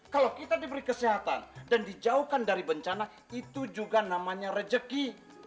kalau kita diberi kesehatan dan dijauhkan dari bencana itu juga namanya rejeki